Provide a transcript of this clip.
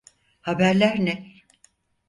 Haberler ne?